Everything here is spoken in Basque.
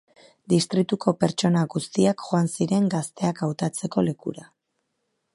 Distrituko pertsona guztiak joan ziren gazteak hautatzeko lekura.